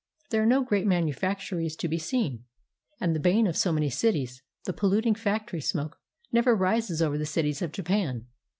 There are no great manufactories to be seen, and the bane of so many cities, the polluting factory smoke, never rises over the cities of Japan.